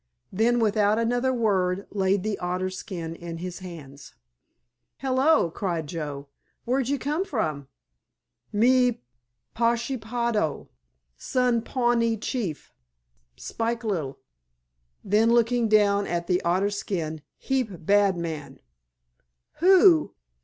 Then without another word laid the otter skin in his hands. "Hello," cried Joe, "where'd you come from?" "Me Pashepaho. Son Pawnee chief. Spik li'le." Then looking down at the otter skin—"Heap bad man." "Who?